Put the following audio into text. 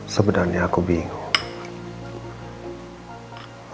sebenernya aku bingung